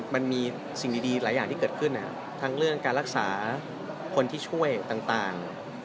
มันมีสิ่งดีหลายอย่างที่เกิดขึ้นทั้งเรื่องการรักษาคนที่ช่วยต่าง